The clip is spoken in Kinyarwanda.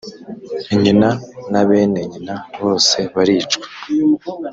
nyina na bene nyina bose baricwa